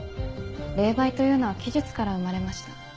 霊媒というのは奇術から生まれました。